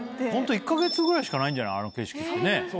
１か月ぐらいしかないんじゃないあの景色ってねぇ。